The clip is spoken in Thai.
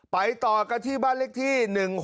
ไปต่อกันที่บ้านเลขที่๑๖๖